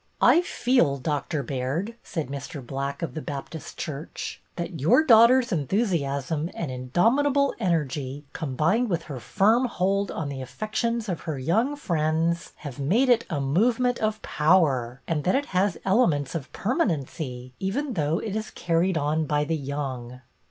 " I feel. Doctor Baird," said Mr. Black of the Baptist church, " that your daughter's enthusiasm and indomitable energy, com bined with her firm hold on the affections of her young friends, have made it a move ment of power, and that it has elements of permanency, even though it is carried on by the young."